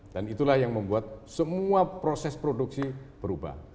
dan itulah yang membuat semua proses produksi berubah